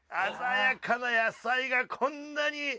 鮮やかな野菜がこんなに。